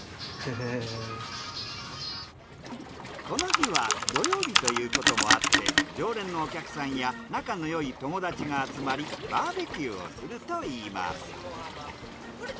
この日は土曜日ということもあって常連のお客さんや仲のよい友達が集まりバーベキューをするといいます。